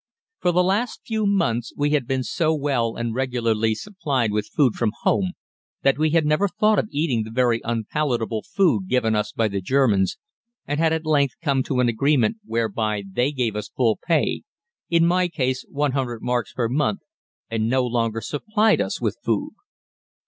For the last few months we had been so well and regularly supplied with food from home that we had never thought of eating the very unpalatable food given us by the Germans, and had at length come to an agreement whereby they gave us full pay in my case 100 marks per month and no longer supplied us with food.